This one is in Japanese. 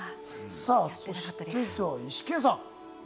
そして、イシケンさん。